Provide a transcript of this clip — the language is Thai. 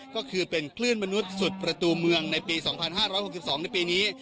ก็คือเป็นคลื่นมนุษย์สุดประตูเมืองในปี๒๕๖๒ในปีนี้